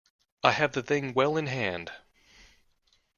I have the thing well in hand.